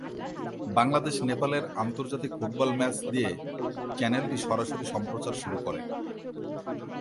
বাংলাদেশ-নেপালের আন্তর্জাতিক football match দিয়ে চ্যানেলটি সরাসরি সম্প্রচার শুরু করে।